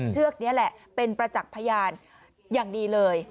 เชือกนี้แหละเป็นประจักษ์พยานอย่างดีเลย